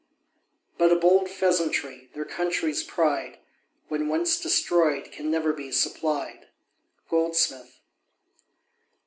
But a bold pheasantry, their country's pride When once destroyed can never be supplied. GOLDSMITH.